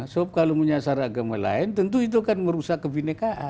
sebab kalau menyasar agama lain tentu itu akan merusak kebinekaan